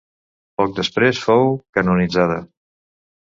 Poc després fou canonitzada.